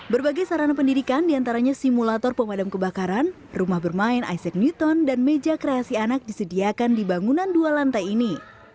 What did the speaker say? berbagai sarana pendidikan diantaranya simulator pemadam kebakaran rumah bermain isic newton dan meja kreasi anak disediakan di bangunan dua lantai ini